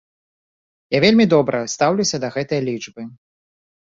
Я вельмі добра стаўлюся да гэтай лічбы.